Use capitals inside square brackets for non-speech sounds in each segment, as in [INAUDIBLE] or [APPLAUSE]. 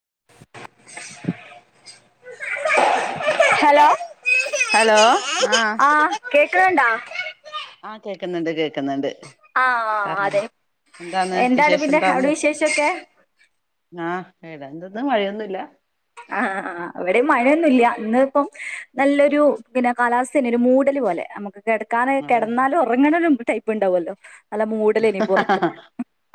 [INAUDIBLE] Hello hello ആ കേ ക്ക്ണ് ണ്ടോ ആ കേക്ക്ന്ന്ണ്ട് കേക്ക്ന്ന്ണ്ട് ആ ആ അതെ എന്താണ് പിന്നെ അവിടെ വിശേഷൊക്കെ ഈ ടെന്ത്‌ ന്ന മഴയൊന്നുല്ല മഴയൊന്നുല്ല ഇന്ന് പ്പം നല്ലൊരു പിന്നെ കാലാവസ്ഥെന്നേണ് ഒരു മൂടല് പോലെ കെടക്കാന് അതെ കെടന്നാല് ഒറങ്ങ്ണൊരു ട്ടൈപ്പാ ണ്ടാവൊല്ലോ നല്ല മൂടലേനി പൊറത്ത്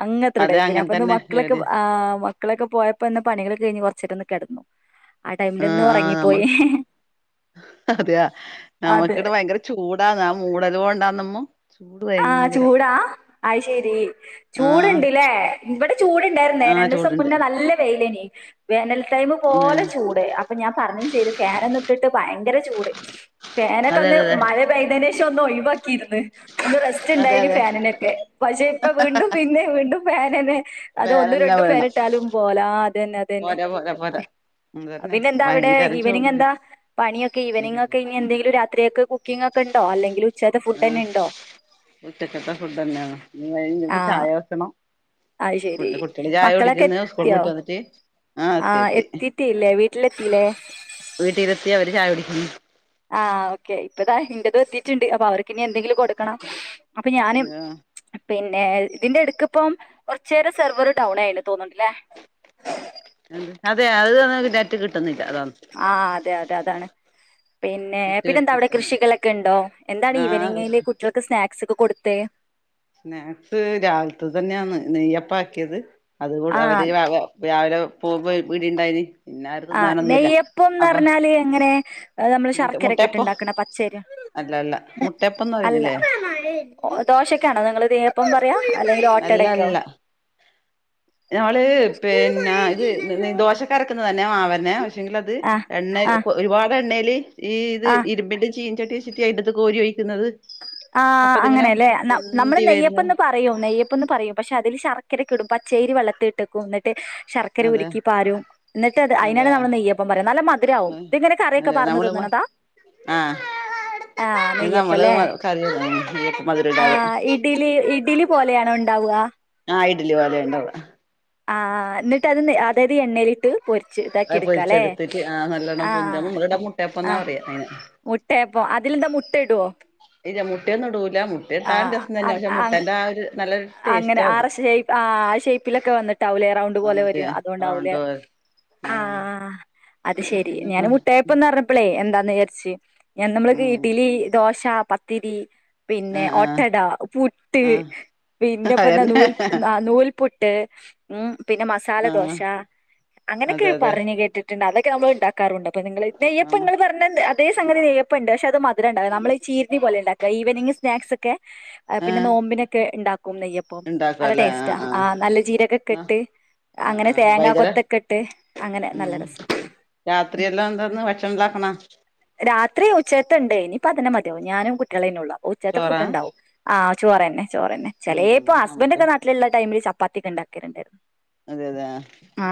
അങ്ങൻത്തൊര് അതെ ട്ടൈപേനി അങ്ങനെ അപ്പൊ ന്ന് തന്നെ മക്കളൊക്കെ ഏത് ആ മക്കളൊക്കെ പോയപ്പൊന്നെ പണികളൊക്കെ കഴിഞ്ഞ് കൊർച്ചേരൊന്ന് കെടന്നു ആ ആ അമ്മ ഹ് ഹ് അതെയോ അതെ നമ്മക്കിടെ ഭയങ്കര ചൂടാന്ന് ആ മൂടൽ കൊണ്ടാണമ്മോ ആ ചൂടാ അത് ശെരി ആഹ് ചൂട്ണ്ട് ല്ലേ ഇവടെ ചൂടുണ്ടായിരുന്നേ ആഹ് രണ്ടോസം ചൂടുണ്ട് മുന്നേ നല്ല വെയിലേനി വേനൽ ടൈമ് ആഹ് പോലെ ചൂട് അപ്പൊ ഞാൻ പറഞ്ഞും ചെയ്തു ഫാനൊന്നും ഇട്ടിട്ട് ഭയങ്കര ചൂട് ഫാനൊക്കെ അതെ ഒന്ന് അതെ അതെ മഴ പെയ്തേനേഷം ഒന്നൊയ് വാക്കീര്ന്ന് ഒന്ന് റെസ്റ്റ് അതെ ഇണ്ടായിന് അതെ ഫാനിനൊക്കെ പക്ഷെ ഇപ്പം വീണ്ടും വീണ്ടും വീണ്ടും ഫാനെന്നെ അതൊ ഒന്നും വേറെന്നെ രണ്ടും ഫേൻ വേണം ഇട്ടാലും പോരാ അതെന്നെ അതെന്നെ പോരാ പോരാ പോരാ അതന്നെ പിന്നെന്താ അവിടെ ഭയങ്കര ഈവനിങ് ചൂടാണ് എന്താ പണിയൊക്കെ ഈവനിംഗൊക്കെ ഇനി എന്തെങ്കിലും രാത്രിയക്ക് കുക്കിങ്ങൊക്കെ ഇണ്ടോ അല്ലെങ്കിൽ ഉച്ചകത്തെ ആഹ് ഫുഡെന്നെ ഇണ്ടോ ഉച്ചക്കത്തെ ഫുഡെന്നേണ് ഇനിവൈന്നേരം ചായ വെക്കണം അയിശെരി ഫുഡ് കുട്ടികള് ചായ കുടിക്കുന്ന് സ്കൂൾ മക്കളൊക്കെത്തിയോ? വിട്ട് വന്നിട്ട് ആഹ് ആ എത്തി എത്തി എത്തീട്ടില്ലേ വീട്ടിലെത്തീല്ലേ? വീട്ടിലെത്തി അവര് ചായ കുടിക്കുന്നു ആ ഓക്കെ ഇപ്പതാ ഇന്റെതു എത്തീട്ട്ണ്ട് അപ്പൊ അവർക്കിനി എന്തെങ്കിലും കൊടുക്കണം അപ്പൊ ഞാന് ആഹ് പിന്നെ ഇതിന്റെ ഏട്ക്ക്പ്പം കോർച്ചേരം സെർവർ ടൗൺ ആയീണ് തോന്ന്ണ്ട്ല്ലേ എന്ത് അത് [UNINTELLIGIBLE] നെറ്റ് കിട്ടുന്നില്ല അതാണ് ആ അതെ അത് അതാണ് പിന്നെ നെറ്റ് പിന്നെന്താ അവിടെ കിട്ടാണ് കൃഷികളൊക്കെ ഉണ്ടോ എന്താണ് ആഹ് ഈവനിങ്ങില് കുട്ടികൾക്ക് സ്നാക്സ് ക്സ് ഒക്കെ കൊടുത്തെ സ്നാക്സ് രാവിൽത്തത് തന്നെയാന്ന് നെയ്യപ്പാക്കിയത് അത്കൂട അവര് ആഹ് വ വാ രാവിലെ പോകുവെ വീടിണ്ടായിനി ആഹ് നെയ്യപ്പംന്നർഞ്ഞാല് എങ്ങനെ നമ്മള് മറ്റേ ശർക്കരക്കെ മുട്ടയപ്പം ഇട്ട്ണ്ടാക്കണ പച്ചരി അല്ല അല്ല മുട്ടയപ്പംന്ന് അല്ല പറയുന്നില്ലേ ഒ ദോശക്ക് ക്കാണോ നിങ്ങള് നെയ്യപ്പന്ന് പറയാ? അല്ലെങ്കിൽ അല്ല ഓട്ടടക്കോ അല്ല ഞമ്മള് പിന്നെ ഇത് നി ദോശക്കരക്കുന്നത് തന്നെ മാവന്ന് ന്നെ പക്ഷെങ്കിൽ അത് ആഹ് എണ്ണ ആഹ് കൊ ഒരുപാടത് എണ്ണേല് ഈ ഇത് ഇരുമ്പിന്റെ ചീൻചട്ടിവെച്ചിട്ട് അതിൻ്റാത്ത് കോരിയൊഴിക്ക് ആ അങ്ങനെലേ ന നമ്മള് പൊന്തി വരുന്നത് നെയ്യപ്പന്ന് പറയും നെയ്യപ്പ പ്പന്ന് പറയും പക്ഷെ അതില് ശർക്കരക്കെടും പച്ചയ്രി വെള്ളത്തിട്ടക്കും ന്നട്ട് ട്ട് ശർക്കര അതെ ഉരുക്കി പാരും എന്നിട്ട് അത് അതെ അയിനാണ് ആ നമ്മൾ നെയ്യപ്പം പറയാ നല്ല മധുരാവും ഇതിങ്ങനെ കറ്യൊക്കെ അതെ പാർന്ന് നമ്മള് തിന്ന്ണതാ ആഹ് ആ ഇത് നെയ്യപ് നമ്മള് പ്പല്ലേ മ കറി മധുരം ആ ഇടാതെ ഇഡിലി ഇഡിലി പോലെയാണോ ണ്ടാവാ? ഡിലി പോലെണ്ടാവ ആ എന്നിട്ട് അത് അതായത് എണ്ണയിലിട്ട് പൊരിച്ച് ഇതാക്കി അത് എടുക്കാല്ലേ പൊരിച്ചെടുത്തിട്ട് ആ നല്ലോണ്ണം പുന്ത മളയുടെ മുട്ടയപ്പന്നാ പറിയാ അയിന് മുട്ടയപ്പോ അതിലെന്താ മുട്ട ഇടുവോ? ഇല്ല മുട്ടയൊന്നും ഇടൂൽ ല്ല മുട്ട ഇട്ടാ രസം തന്നെ പക്ഷെ ആഹ് മുട്ടന്റെ ആ ഒരു ന അങ്ങനെ ആ റെ ശെയ് പാ ആ ഷേപ്പിലൊക്കെ വന്നിട്ട് ട്ടാവും ലെ റൗണ്ട്പോലെ എന്നിട്ട് വരാ അതോണ്ടാവും ലെ റൗണ്ട് പോലെ ആ ഉം ആ അത് ശരി പിന്നെന്താ ഞൻ മുട്ടയപ്പന്ന് പർഞ്ഞപ്പളെ എന്താ നേർച്ചി ഞാൻ നമ്മള് ഉം [UNINTELLIGIBLE] ദോശ പാ പത്തിരി പിന്നെ ആഹ് ആഹ് ഒട്ടട പുട്ട് ആഹ് പിന്നേ പേന്താ അതന്നെ നൂൽ അ നൂൽ പുട്ട് ഉം പിന്നെ ആഹ് മസാലദോശ അങ്ങനെക്കെ അതെ അതെ പറഞ് കേട്ടിട്ട്ണ്ട് അതൊ ക്കെമ്മള് ണ്ട ക്കാറുണ്ട് അപ്പ നിങ്ങള് നെയ്യപ്പം നമ്മ നിങ്ങള് പറഞ്ഞ അതേ സംഗതി നെ ഇപ്പണ്ട് ക്ഷെ അത് മധരംണ്ട നമ്മള് ഈ ചീരിനി പോലെണ്ടാക്ക ഈവനിംങ് സ്നാക്സ് ഒക്കെ പിന്നേ ഏഹ് നോമ്പിനൊക്കെ ണ്ടാ ക്കും നെയ്യപ്പം നല്ല ഇണ്ടാക്കുവല്ലേ ടേസ്റ്റാ ആഹ് ആ ആഹ് നല്ല ജീരക്കൊക്കെ ന്നാ ഇട്ട് ആഹ് അങ്ങനെ ആഹ് തേങ്ങാ വൈകുന്നേരം കൊത്തൊക്കെ ഇട്ട് അങ്ങനെ നല്ല ഉം രസാ ഉം രാത്രിയെല്ലാം എന്താന്ന് ഭക്ഷണം ഉണ്ടാക്കണ രാത്രി ഉച്ചകത്തണ്ട് ഇനിപ്പ അതന്നെ മതിയാവും ഞാനും കുട്ടികളെന്നൊള്ളൂ ഉച്ചത്തെ ചോറാ ഫുഡ് ഇണ്ടാവും ആ ചോറെന്നെ ചോറന്നെ ഉം ഉം ചെലേപ്പം നമുക്ക് ഹസ്ബന്റോക്കെ നാട്ടിലുള്ള ടൈമില് [UNINTELLIGIBLE] അതെ അതെ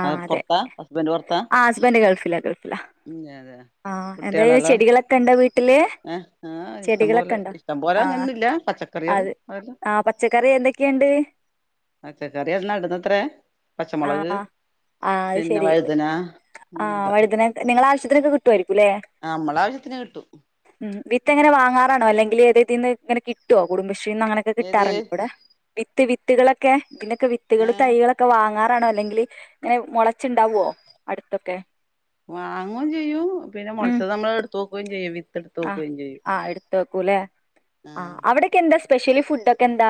ആ പോറത്താ ഹസ്ബന്റ് പോറത്താ ആ ഹസ്ബൻഡ് ഗൾഫിലാ ഗൾഫിലാ ഉം അതെ ആ കു എന്തായാലും കുട്ടികളല്ലോ ചെടികളൊക്കെ ഇണ്ടോ വീട്ടില് ഏ ആ ഇഷ്ടം പോലെ ചെടികളൊക്കെ ഇണ്ടോ ഇഷ്ടം പോലെ ആ അങ്ങനേന്നും ല്ല പച്ചക്കറികള് അത് അതല്ല ആ പച്ചക്കറി എന്തൊക്കെയുണ്ട് പച്ചക്കറി എ നടുന്നത്രേ ആ പച്ചമുളക് ആ അത് പിന്നെ ശരി വഴുതന ആഹ് അങ്ങനെല്ലാം വഴുതന നിങ്ങളെ ആവശ്യത്തിനൊക്കെ കിട്ടുയിരിക്കുംല്ലേ നമ്മളെ ആവശ്യത്തിന് കിട്ടും വിത്ത് എങ്ങനെ വാങ്ങാറാണോ അല്ലെങ്കില് എതേമ് ഇതിന് ഇങ്ങനേ കിട്ടോ കുടുംബ ക്ഷീന്ന് അങ്ങനൊക്കെ ഏത് കിട്ടാറുണ്ടോ അവിടെ വിത്ത് വിത്കളൊക്കെ ഇതിന്റെക്കെ വിത്കള് തൈകളൊക്കെ വാങ്ങാറു ണോ അല്ലെങ്കില് ഇങ്ങനെ മുളച്ച്ണ്ടാവോ അടുത്തൊക്കെ വാങ്ങും ചെയ്യും പിന്നെ ഉം മോളച്ചത് നമ്മള് ഇടുതോക്കും ചെയും ഇട്തോക്കും ചെയ്യും ത്തക്കുലെ ആ ആഹ് അവിടക്കെ എന്താ സ്പെഷ്യലി ഫുഡ ഒക്കെ എന്താ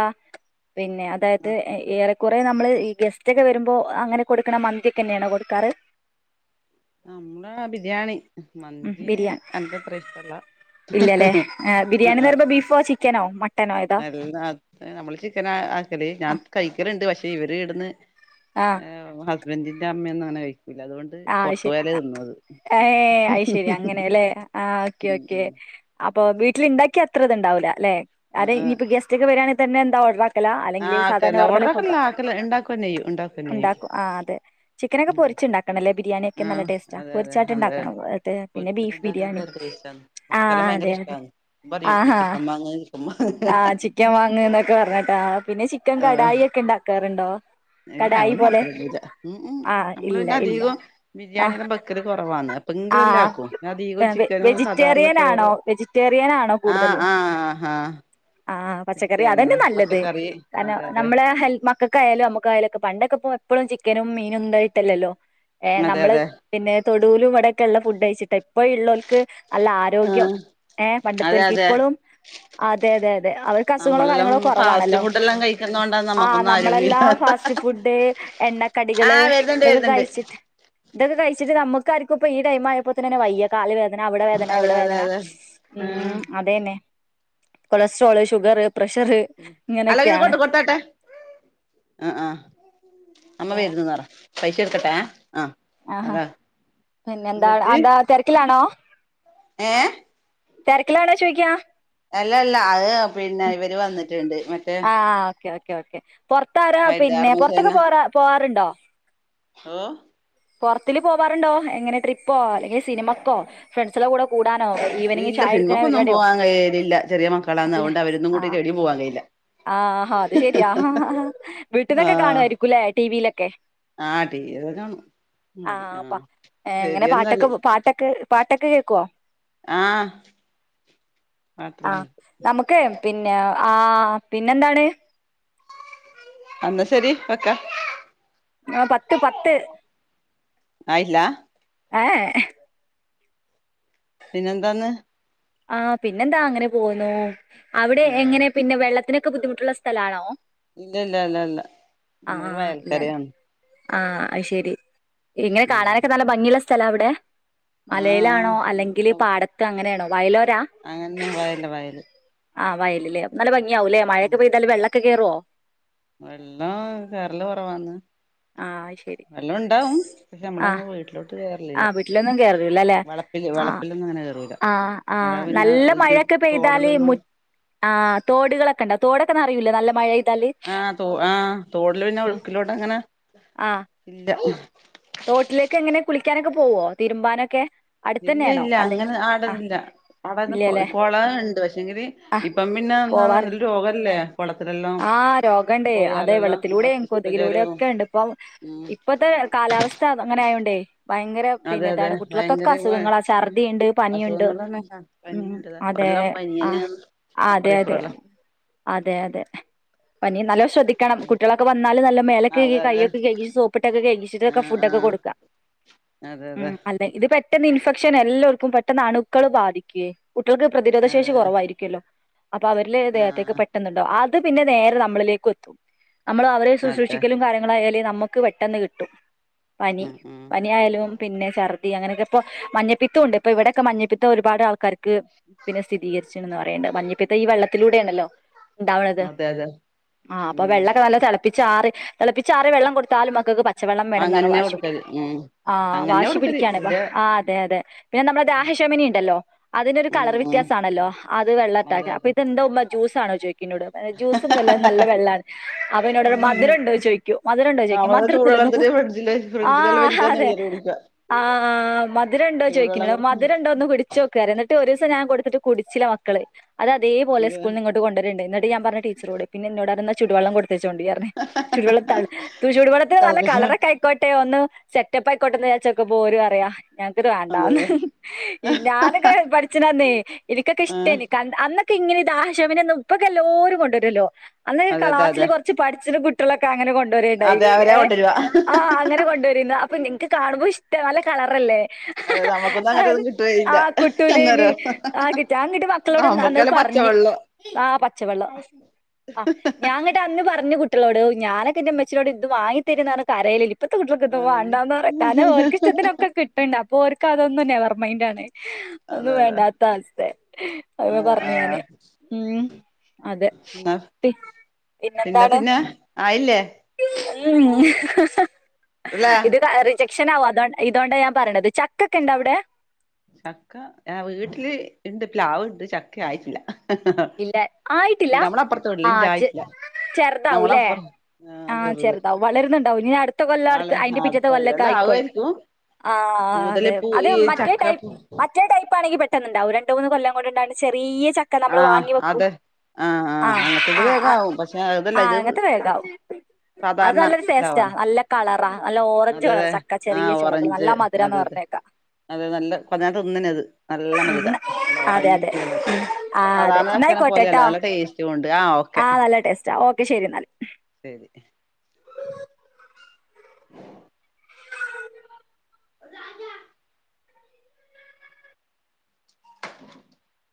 പിന്നെ അതായത് ആഹ് ഏറെ കുറെേ നമ്മള് ഈ ഗെസ്റ്റ് ഒക്കെ വരുമ്പോ അങ്ങനെ കൊടുക്കണ മന്തി ഒക്കെ തന്നെയാണ് കൊടുക്കാറ് ന നമ്മളാ ബിരിയാണി ഉം മന്തി ബിരിയാണി അനക്ക്ത്രഷ്ടല്ല ഇല്ലല്ലേ ബിരിയാണിന്ന് പറയുമ്പോ ബീഫോ ചിക്കനോ മട്ടനോ ഏതാ നല്ല നമ്മള് ചിക്കൻ ആക്കല് ഞാൻ ആഹ് കഴിക്കലുണ്ട് പക്ഷ ഇവര് ഇടന്ന് ആഹ് ആ ഹസ് രജിന്റെ അമ്മയൊന്നും അങ്ങനെ കഴിക്കുലഅതുകൊണ്ട് ആഹ ശരി ഏ അ ശരി അങ്ങനെല്ലേ ആ് ഓക്കെ ഉം ഓക്കെ ഉം അപ്പൊ വീട്ട ഉണ്ടാക്കി അത്ര ഇത് ഉണ്ടാവൂല അല്ലെ അതെ ആഹ് ആഹ് ഇനിയിപ്പൊ ഗസ്റ്റ് ഒക്കെ വരാണ് യെന്നും എന്ത ഓർഡാ ആക്കന്നെ ഓടറക്കെ ആക്കല ഉണ്ടാക്കെചെയ്യും ഉണ്ടാക്കൻ ചെയ്യും ചിക്കനൊക്കെ ഉം പൊരിച്ചുണ്ടാക നല്ല ബിരിയാണിയ ഒക്കെ നല്ല ആഹ് ടേസ്റ്റ അതെ അതെ പൊരിച്ചൻഡ് അന്ന് ഉണ്ടാകണം അദേ പിന്നെ ബീഫ് ബിരിയാണി ഓരോരുത്തരുണ്ടാക്കുന്ന ടേസ്റ്റാണ് ആ മക്കക്കെല്ലാം ഭയങ്കര അദേ ഇഷ്ടാണ് ആ പറയും ഇമ്മി ചിക്കൻ വാങ്ങ് ചിക്കൻ വാങ്ങ് ആ അചിക്കൻ വാഗ് ന് പറന്നിട്ട് പിന്നെ ചിക്കൻ ആഹ് കടായി ഒക്കെണ്ടക്ക വണ്ടോ ഇല്ല ഒന്നും അത്ര പൂജ ഉ ഉ ആ നമ്മള് ഇല്ല പിന്നെ അത ഇല്ല കം ബിരിയാണിഎല്ലാം ബക്കല് കുറവന്ന് ആ സാധാരണ വെജിറ്റേറിയൻണോ ചോറ് വെജിറ്റേറിയൻണോ കൂടുതലും ആ ആ പച്ചക്കറി അതന്നെ നല്ലത് കാരണം അതെ അതെ നമ്മള ഹെൽ മക്കൾക്ക് ായയാലും നമ്മുക്കയാലൊക്കെ പണ്ടൊക്കെപ്പോഎപ്പോഴും ചിക്കനും മീനും ഇണ്ടായിട്ടല്ലല്ലോ ഏ അതെ നമ്മള് അതെ പിന്നെ തൊടുലും ഇവിയൊക്കെള്ള ഫുഡ് കയിച്ചിട്ട് ഇപ്പോഴ ഉള്ളർക്ക് നല്ല ആരോഗ്യം ആഹ് ഏ അതെ പണ്ടതേൽക് അതെ ഇപ്പോഴും അതെ അതെ അതെ അവർക്ക് അസുഖങ്ങളോ നമ്മളെല്ലാം കാര്യങ്ങളോ ഫാസ്റ്റ് കുറവാണല്ലോ ഫുഡെല്ലാം കഴിക്കുന്നോണ്ടാണ് ആ നമുക്കൊന്നും നമ്മളെല്ലാം ആരോഗ്യമില്ലാത്ത ഫാസ്റ്റ് ഫുഡ് എണ്ണക്കടികള് ആഹ് വരുന്നുണ്ട് ഇതൊക്കെ വരുന്നുണ്ട് കഴിച്ചിട്ട് ഇതൊക്കെ കഴിച്ചിട്ട്നമ്മുക്കാർക്കും ഇപ്പ ഇ ടൈ ആയപ്പോ തന്നെ വയ്യാ കാൽവേദ ന അവിടെ വേദന അതെ ഇവിടെ അതെ വേദന അതെ ഉ ആഹ് അതെന്നെ കൊളസ്ട്രോള് ഷുഗർ അല്ലങ്കിൽ ഇത് ഇങ്ങനെയൊക്കെയാണ് കൊണ്ട് കൊടുത്തട്ടെ ആ ആ അമ്മ വരുന്നുന് പറ പൈസ ഇടുക്കട്ടെ ആ പിന്നെ എന്താ എന്താ തിരക്കിലാണോ ഏ തെരക്കിലാണോ ചോയ്ക്ക അല്ല അല്ല അത് പിന്നെ ഇവര് വന്നി ട്ടിണ്ട് മറ്റേ ആ ഓക്കെ ഓക്കെ ഓക്കെ പൊറത്താര പിന്നെ പൊറത്തൊക്കെ പോ പോകാറ് [UNINTELLIGIBLE] ഓ പൊറത്തില് പോവാറുണ്ടോ എങ്ങനെ ട്രിപ്പോ അല്ലെങ്കിൽ സിനിമക്കോ ഫ്രണ്ട്സിന്റെ കൂടെ കൂ ഇല്ല സിനിമക്കൊന്നും പോവാൻ കയ്യലില്ല ചെറിയ മക്കളാണ് അതോണ്ട് അവരൊന്നും കൂട്ടി എവിടെ പോവാൻ കയ്യില്ല ആഹ അത് ശെരിയാ ഹ ഹ വീട്ടിന്നൊക്കെ കാണുവായിരിക്കൂല്ലേ ടിവിയിലൊക്കെ ആ ടീവിയൊക്കെ കാണും മതി ആഹ് ആ പ എങ്ങനെ പാട്ടൊക്കെ ശെരിയെന്നാല് പാട്ടൊക്കെ പാട്ടൊക്കെ കേൾക്കുവോ ആ ആഹ് നമുക്ക് പിന്നെ ആ പിന്നെന്താണ് അന്ന ശെരി വെക്കാ ആ പത്ത് പത്ത് ആയില്ല ഏ പിന്നെന്താന്ന് ആ പിന്നെന്താ അങ്ങനെ പോവുന്നു അവിടെ ഇല്ല എങ്ങനെ പിന്നെ വെള്ളത്തിന് ക്ക് ബുദ്ധിമുട്ടുള്ള സ്ഥലാണോ ഇല്ല ഇല്ല അല്ലല്ല ആ നമ്മൾ ഇല്ലല്ല വയൽക്കരയാണ് ആ അത് ശെരി ഇങ്ങനെ ഉം കാണാനൊക്കെ നല്ല ഭംഗിയുള്ള സ് സ്ഥല വിടെ ആഹ് ആഹ് മലയിലാണോ അല്ലെങ്കില് പാടത്ത് അങ്ങനെണോ വൈലോ അങ്ങന്നെ വയല് വയല് ആ വയല് ല്ലേ നല്ല ഭ ഗി യാവൂലെ ഉം മഴയൊക്കെ പെയ്താല് വെള്ള ക്കെ കേറുവോ വെള്ളം കേറല് കൊറവാന്ന് ആ അത് ശരി വെള്ളണ്ടാവും ഞമ്മളെ ആ വീട്ടിലോട്ട് കേറലില്ല ആ വീട്ടിലൊന്നും കേറൂലല്ലേ വളപ്പില് വളപ്പിലൊന്നും അങ്ങനെ കേറൂല ആ എടാ പിന്നെ നല്ല ഇത് മഴയൊക്കെ പെയ്താല് മു തോടലുള്ളോണ്ട് ആ തോടുകളൊക്കെ ഉണ്ടോ തോടൊക്കെ നറയുല്ലേ നല്ല മഴ പെയ്താല് ആഹ് തോ ആഹ് തോടില് പിന്നെ ഒഴുക്കിലോട്ട് അങ്ങനെ ആഹ് ഇല്ല തോട്ടിലേക്ക് എങ്ങനെ കുളിക്കാനൊക്കെ പോവോ തിരുമ്പാനൊക്കെ ഇല്ല അടുത്തന്നെയാണോ ഇല്ല അല്ലെങ്കിൽ അങ്ങനെ ആഹ് ആടെലില്ല ആടെന്ന് ഇല്ലല്ലേ കൊളണ്ട് പക്ഷെങ്കില് ആഹ് ഇപ്പം പിന്ന പോവാറ് രോഗല്ലേ കുളത്തിലെല്ലാം ആഹ് രോഗണ്ടേ അതെ പോയാലെല്ലോ വെള്ളത്തിലൂടെയും കൊതുകിലൂടെ മസ്ത്തിഷ്ക്കജൊരവും ഒക്കെ ഉണ്ട് ഇപ്പം ഉം ഇപ്പത്തെ കാലാവസ്ഥ അങ്ങനെ ആയോണ്ടേ ഭയങ്കര അതെ പിന്നെ അതെ താണ് കുട്ടികൾക്കോക്കെ ഭയങ്കര അസുഖങ്ങളാ ഛർദിയുണ്ട് പനിയുണ്ട് അസുഖങ്ങളന്നെ ഉം പനിണ്ട് അതെ അപ്പറെല്ലാം ആ പനിയന്നെയാന്ന് അതെ അപ്പറം അതെ ഇപ്പറെല്ലാം അതെ അതെ പനി നല്ലോ ശ്രദ്ധിക്കണം കുട്ട്യളോക്കെ വന്നാല് നല്ല മേലോക്കെ കഴ്‌കി അതെ അതെ കൈയൊക്കെ കഴ്കി സോപ്പിട്ട് ക്കെ കൈകി ആ ക്കെ ഫുഡ് ആ ഒക്കെ കൊടുക്കാ അതെ അതെ ഉം അല്ലെങ്കിത് പ പെട്ടെന്ന് ഇൻഫെക്ഷൻ എല്ലാവർക്കും പെട്ടന്ന് അണുക്കൾ ബാധിക്കേ കുട്ട്യൾക്ക് പ്രതിരോധ ശേഷി കുറവായിരിക്കുല്ലോ അപ്പൊ അവരില് ആ ദേഹത്തേക്ക് പെട്ടുന്നുണ്ടോ അത് പിന്നെ നേരെ നമ്മളിലേക്ക് എത്തും നമ്മള് അവരെ അതെ സുശ്രൂഷിക്കലും കാര്യങ്ങളായാലേ നമ്മുക്ക് പെട്ടെന്ന് കിട്ടും പനി ഉം ഉം പനി ആയാലും പിന്നെ ചർ അങ്ങനെയൊക്കെ ഇപ്പോ മഞ്ഞപ്പിത്തം ണ്ട് ഇപ്പൊ ഇവിടെൊക്കെ മഞ്ഞപ്പിത്തം ഒരുപാട് ആൾക്കാർക്ക് പിന്നെ സ്ഥിരീകരിച്ചു എന്ന് പറയുന്നുണ്ട് മഞ്ഞപ്പിത്തം ഈ വെള്ളത്തിലൂടെയാണല്ലോ ഉണ്ടാവണത് അതെ അതെ ആഹ് അപ്പൊ ഉം വെള്ളക്കെ തിളപ്പി ചാറ് തിളപ്പിച്ചച്ചാറ്യ വെള്ളം കൊടുത്താലും മക്കക്ക് പച്ചവെള്ളം വേണന്ന അങ്ങന്നെ വശി പിടി കൊടുക്കല് ഉം ആ അങ്ങന്നെ വാശി കൊടുക്കല് പിടിക്കാണ്പ്പ ഇവിടെ ആ അതെ അതെ പിന്നെ നമ്മളെ ദഹശമിനി ഉണ്ടല്ലോ അതിനൊരു ഉം കളറ് ഉം വ്യത്യാസാണല്ലോ അത് വെള്ളണ്ടാക്ക അതെ അപ്പൊ അതെ ഇതന്താ ഉമ്മാ ജൂസ് ആണോ ക്കൊന്നോട് ജ്യൂസ്ന്നല്ല നല്ല വെള്ള അപ്പൊന്നോട് മധുരണ്ടോ ചോയ്ക്കും മധുരണ്ടോ ചോയ്ക്കും നമ്മള് മധുരൊന്നല്ല ചൂടുവെള്ളത്തില് ഫ്രിഡ്ജില് ഫ്രിഡ്ജിലെല്ലാം ആഹ് വെച്ചിട്ടാണ് അതെ പിള്ളേര് കുടിക്ക ആ മധുരംണ്ടോ ചൂടുവെള്ളം ചോയ്ക്കൊന്നോട് കൊടുക്കും മധുരണ്ടോ ഒന്ന് കുടിച്ച് നോക്ക് എന്നിട്ട് ഒരു ദിവസം ഞാ ഞാൻ കൊടുത്ത്ട്ട് കുടിച്ചില്ല അത് അതേപലെ അതെ സ്കൂൾ നിങ്ങട്ട് കൊണ്ടരണ്ട്ട്ട് നട്ട് ഞാൻ പറഞ്ഞു ടീച്ചറോട് പിന്നെ ന്നോട് അറ ചുടു വള്ളം കൊ ണ്ടേ ചുടുവള്ള ചുടുവെള്ളത്തിന് നല്ല തിളപ്പിച്ച കളറൊക്കെ ഒന്ന് സെറ്റപ്പായിക്കോട്ടെ ന്ന് ചാരി പോര് പറയാ ഞങ്ങക്കിത് അതെ വേണ്ടാന്ന് അതെ ഞാനൊക്കെ പഠിച്ച്ണന്നേ എനിക്കൊക്കെ ആ ഇഷ്ടേനി ക അന്ന് ക്കെങ്ങനെ ദാഹശമനെന്നും ഇപ്പൊക്കെ എല്ലാരും കൊണ്ടൊരൊല്ലോ അന്ന് അതെ അതെ ക്ലാസ്സില് അതെ കാെർച്ച് പഠ്ച്ച്ണ കു ട്ടിളൊക്കെങ്ങനെ കൊ അതെ അവരാ കൊണ്ടരുവാ അങ്ങനെ കൊണ്ടുവ അപ്പൊ ൻ ൻക്ക് കാണുമ്പോ ഇഷ്ട നല്ല കളറല്ലേ അതെ നമുക്കൊന്നും ഹ് ഹ് അങ്ങനത്തെന്നും ആ കിട്ടുവേയില്ല കുട്ടൂലേനി അന്നേരം ആ കിട്ട ഞാങ്ങിട്ട് മക്കളോട്ന്ന് അത് നമ്മക്കെല്ലാം പറ്ഞ്ഞ് പച്ചവെള്ളം ആ പച്ചവെള്ളം അ ഞാൻങ്ങട്ട് അന്ന് പറഞ്ഞ് കുട്ട്യാേളോട് ഔ ഞാനാെ ക്ക് ന്റെമ്മച്ചീനോട് ഇത് വാങ്ങി തരീന്നർഞ്ഞ് കാരയലേനി ഇപ്പത്തെക്കുട്ടികൾക്കെ അതന്നെ വാണ്ടന്നാണ് കാരണം ഓര്ക്ക്ഷ്ടത്തിനൊക്കെ കിട്ട്ണ്ട് അപ്പോ ഓര്ക്ക് അതൊന്നും നെവർ മൈന്റാണ് അതെ ഒന്നും അതെ വേണ്ടാത്ത അവസ്ഥ അ ആഹ് പറഞ്ഞ ഞാന് ആഹ് ഉം അതെ എന്നാ പി പിന്നെ പിന്നെന്താണ് പിന്നെ ആയില്ലേ ഹ ഹ ല്ലേ ഇത് കയറി ക്ഷനാവും അതൊ ഇതോണ്ടാ ഞാൻ പറീണത് ചക്കൊക്കെണ്ടാേ അവ്ടെ ചക്ക എ വീട്ടില് ഇണ്ട് പ്ലാവ്ണ്ട് ചക്ക ആയിട്ടില്ല ഇല്ല ആയിട്ടില്ല നമ്മളപ്പുറത്തെ വീട്ടില് ആ ഇല്ല പെ ആയിട്ടില്ല ചെർതാവുല്ലേ നമ്മളപ്പുറം ആഹ് ആ ചെറുത് ചെർതാവും വളരുന്ന്ണ്ടാവും ഞ്ഞ് അട്ത്ത കൊല്ലം വാളെ അയ്ന്റെ ആഹ് അടുത്ത പിറ്റത്തെ കൊല്ലാെക്കെ കൊല്ലല്ലേ ആയിക്കോളും ആവുമായിരിക്കും ആ കൂടുതല് അതെ പൂ അതെ ഈ മറ്റേ ടൈ ചക്കപ്പൂ മറ്റേ ടൈപ്പ് ആണെങ്കി പ ഇണ്ടാവും രണ്ട് മൂന്ന് കൊല്ലം കൊണ്ട്ണ്ടാണ് ചെറിയ ച മ്മള് ആഹ് വാങ്ങി വെക്കും അതെ ആഹ് ആ ആഹ് അങ്ങനത്തത് ആ വേഗം ആവും പക്ഷെ അതല്ല ഇത് അങ്ങൻത്തത് വേഗാവും അത് നല്ലൊരു ടേസ്റ്റാ നല്ല കള അതെ അതെ ആ ഓറഞ്ച് നല്ല അതെ മധുരാന്ന് അതെ പറഞ്ഞേക്ക അതെ നല്ല ഞാൻ തിന്ന്ണത് നല്ല മധുര നല്ല അതെ അതെ ഓറഞ്ച് കളറ് ആ അതെ സാധാരണ ചക്കനെ പോലെയല്ല എന്നായിക്കോട്ടെട്ടോ നല്ല ടേസ്റ്റ് ആ നല്ല ടേസ്റ്റാ ഓ ശെരി എന്നാല് ശെരി ഉ ഉം [INAUDIBLE] അത് അഞ [UNINTELLIGIBLE] ഉ